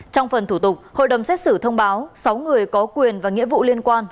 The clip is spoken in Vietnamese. trong phần thủ tục hội đồng xét xử thông báo sáu người có quyền và nghĩa vụ liên quan